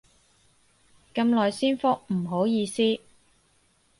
咁耐先覆，唔好意思